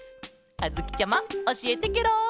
あづきちゃまおしえてケロ！